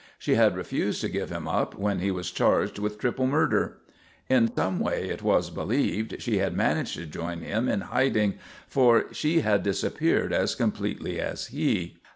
She had refused to give him up when he was charged with triple murder. In some way, it was believed, she had managed to join him in hiding, for she had disappeared as completely as he.